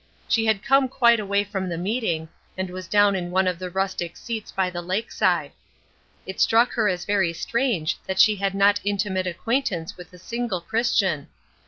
She had come quite away from the meeting, and was down in one of the rustic seats by the lake side. It struck her as very strange that she had not intimate acquaintance with a single Christian.